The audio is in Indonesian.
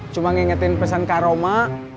cuma ngingetin pesan kak roma